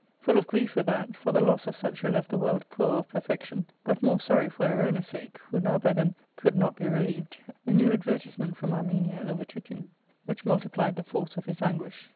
Full of grief with that, for the loss of such who left the world poor of perfection, but more \y sorry for Erona's sake, who now by them could not be relieved, a new advertisement from Armenia overtook him which multiplied the force of his anguish.